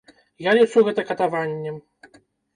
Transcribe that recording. Я лічу гэта катаваннем.